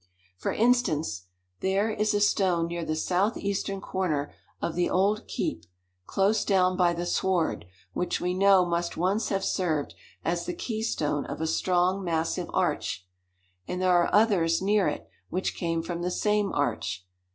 "For instance, there is a stone near the southeastern corner of the old keep, close down by the sward, which we know must once have served as the keystone of a strong, massive arch. And there are others near it, which came from the same arch.